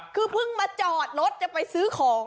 คือเพิ่งมาจอดรถจะไปซื้อของ